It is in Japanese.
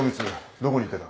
どこに行ってた？